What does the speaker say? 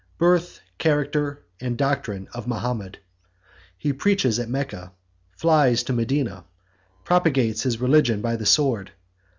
—Birth, Character, And Doctrine Of Mahomet.—He Preaches At Mecca.— Flies To Medina.—Propagates His Religion By The Sword.